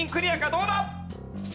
どうだ？